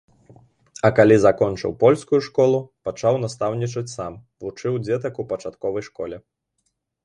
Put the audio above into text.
А калі закончыў польскую школу, пачаў настаўнічаць сам, вучыў дзетак у пачатковай школе.